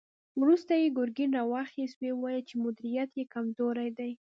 وروسته يې ګرګين را واخيست، ويې ويل چې مديريت يې کمزوری دی.